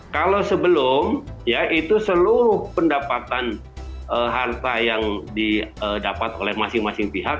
kalau sebelum ya itu seluruh pendapatan harta yang didapat oleh masing masing pihak